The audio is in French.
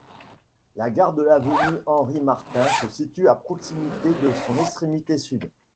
La gare de l'avenue Henri-Martin se situe à proximité de son extrémité sud.